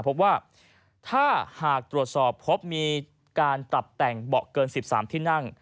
พบว่าถ้าหากตรวจสอบพบมีการปรับแต่งเบาะเกิน๑๓ที่นั่ง